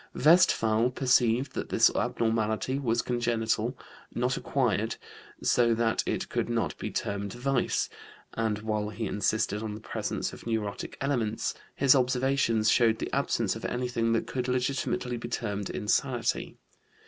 Westphal perceived that this abnormality was congenital, not acquired, so that it could not be termed vice; and, while he insisted on the presence of neurotic elements, his observations showed the absence of anything that could legitimately be termed insanity.